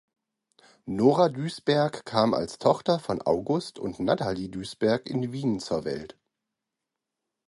Nora Duesberg kam als Tochter von August und Natalie Duesberg in Wien zur Welt.